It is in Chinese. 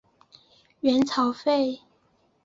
元朝废。